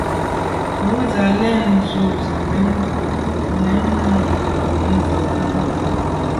Wù z’a lèn ju ze me te num nko’ tshan à.